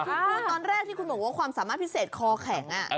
คุณพูดตอนแรกที่คุณบอกว่าความสามารถพิเศษคอแข็ง